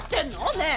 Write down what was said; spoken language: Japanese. ねえ！